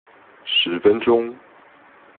十分鐘